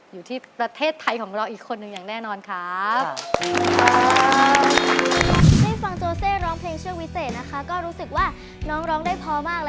อยู่ที่ประเทศไทยของเราอีกคนนึงอย่างแน่นอนครับ